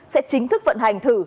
sẽ chính thức vận hành thử